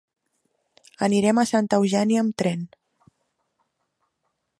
Anirem a Santa Eugènia amb tren.